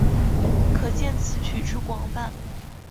可见此曲之广泛。